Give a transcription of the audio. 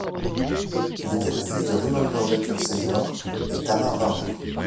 Il était le fils de Remember Baker sénior et Tamar Warner.